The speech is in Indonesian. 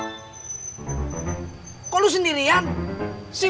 kalauchossing memang varian salah yang jelas